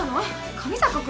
上坂君